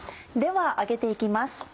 では揚げて行きます。